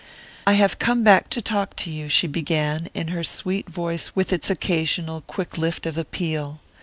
"I have come back to talk to you," she began, in her sweet voice with its occasional quick lift of appeal.